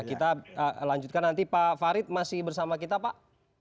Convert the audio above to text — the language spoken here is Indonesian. kita lanjutkan nanti pak farid masih bersama kita pak